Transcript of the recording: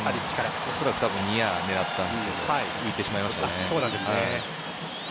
恐らくニアを狙ったんですが浮いてしまいましたね。